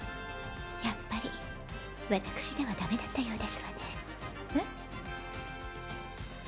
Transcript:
やっぱり私ではダメだったようですわねえっ？